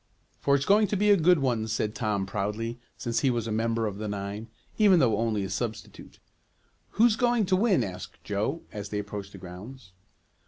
"For it's going to be a good one," said Tom proudly, since he was a member of the nine, even though only a substitute. "Who's going to win?" asked Joe, as they approached the grounds.